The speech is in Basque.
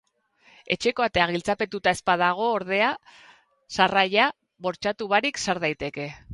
Etxeko atea giltzapetuta ez badago, ordea, sarraila bortxatu barik sar daitezke.